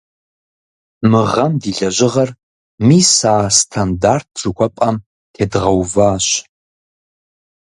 Мы гъэм ди лэжьыгъэр мис а стандарт жыхуэпӀэм тедгъэуващ.